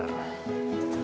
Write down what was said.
gitu dong keluar